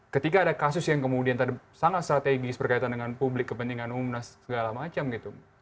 ketika ada kasus yang kemudian tadi sangat strategis berkaitan dengan publik kepentingan umum dan segala macam gitu